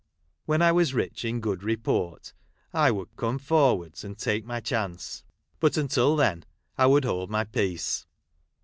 When I was rich in good report, I would come for wards, and take my chance ; but until then. I would hold my peace.